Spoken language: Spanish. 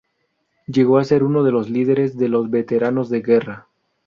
Llegó a ser uno de los líderes de los veteranos de guerra.